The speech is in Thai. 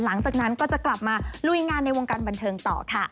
หลังจากนั้นก็จะกลับมาลุยงานในวงการบันเทิงต่อค่ะ